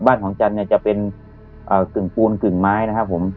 บ้านของจันทร์เนี่ยจะเป็นกึ่งปูนกึ่งไม้นะครับผม